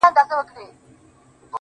د مخ پر لمر باندي رومال د زلفو مه راوله.